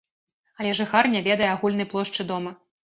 Але жыхар не ведае агульнай плошчы дома.